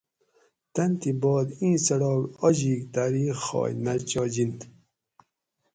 تن تھی باد ایں څڑاک آجِیک تاریخائ نہ چاجِنت